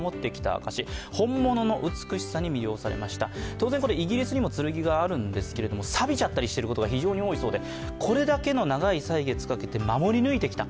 当然イギリスにも剣があるんですけど、さびちゃったりしているのが多いそうでこれだけの長い歳月かけて守り抜いてきた